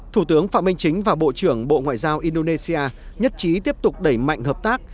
thủ tướng phạm minh chính và bộ trưởng bộ ngoại giao indonesia nhất trí tiếp tục đẩy mạnh hợp tác